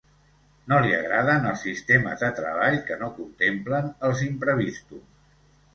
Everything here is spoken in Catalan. No li agraden els sistemes de treball que no contemplen els imprevistos.